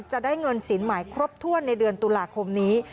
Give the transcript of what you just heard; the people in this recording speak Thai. จะได้เงินสินใหม่ครบถ้วนในเดือนตุลาคมนี้